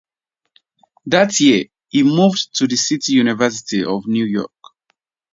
That year, he moved to the City University of New York.